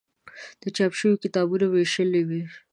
د چاپ شویو کتابونو ویشل و.